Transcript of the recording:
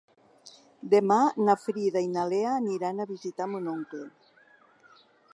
Demà na Frida i na Lea aniran a visitar mon oncle.